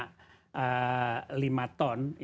produksi kami sekarang kan dua tujuh